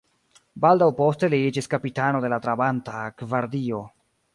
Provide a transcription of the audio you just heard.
Baldaŭ poste li iĝis kapitano de la Trabanta gvardio.